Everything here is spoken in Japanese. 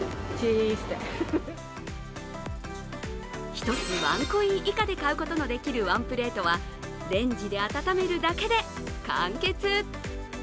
一つワンコイン以下で買うことのできるワンプレートはレンジで温めるだけで完結。